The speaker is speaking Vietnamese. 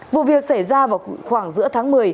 vụ việc xảy ra vào khoảng giữa tháng một mươi